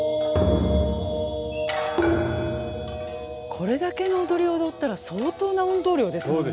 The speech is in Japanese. これだけの踊りを踊ったら相当な運動量ですもんね。